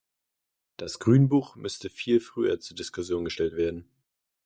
Das Grünbuch müsste viel früher zur Diskussion gestellt werden.